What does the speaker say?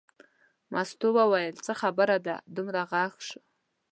مستو وویل څه خبره ده دومره غږ شو.